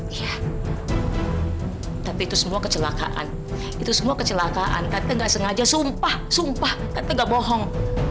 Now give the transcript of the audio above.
iya tapi itu semua kecelakaan itu semua kecelakaan kante gak sengaja sumpah sumpah kante gak bohong